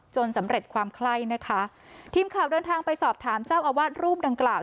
สำเร็จความไคร้นะคะทีมข่าวเดินทางไปสอบถามเจ้าอาวาสรูปดังกล่าว